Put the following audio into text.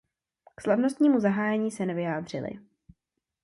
K slavnostnímu zahájení se nevyjádřili.